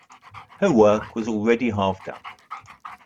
Her work was already half done.